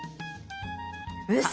うそ！